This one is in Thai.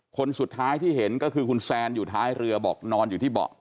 คนสุดท้ายที่เห็นก็คือคุณแซนอยู่ท้ายเรือบอกนอนอยู่ที่เบาะ